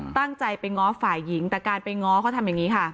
ตั้งใจไปง้อฝ่ายหญิงแต่การไปง้อเขาทำอย่างนี้ค่ะ